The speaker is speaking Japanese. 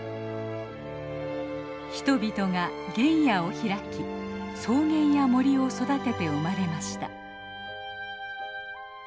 人々が原野を開き草原や森を育てて生まれました。